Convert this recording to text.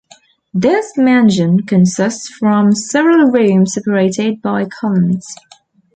This mansion consists from several rooms separated by columns.